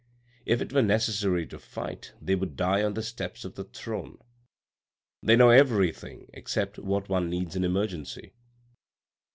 If it were necessary to fight, they would die on the steps of the throne. They know everything — except what one needs in emergency.